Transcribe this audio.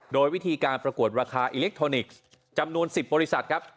โดยวิธีการประกวดราคาอิเล็กทรอนิกส์จำนวน๑๐บริษัทครับ